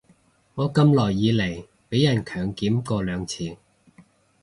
我咁耐以來被人強檢過兩次